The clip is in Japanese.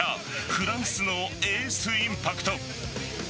フランスのエースインパクト。